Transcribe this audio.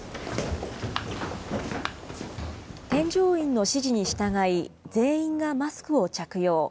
添乗員の指示に従い、全員がマスクを着用。